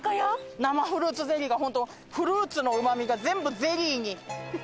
生フルーツゼリーが本当フルーツのうまみが全部ゼリーに移ってるんです。